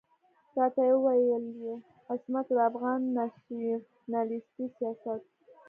راته ويل يې عصمته د افغان ناسيوناليستي سياست.